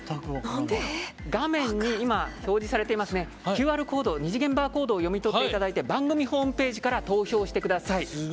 画面に表示されていますＱＲコード、２次元コードを読み取っていただいて番組ホームページから投票してください。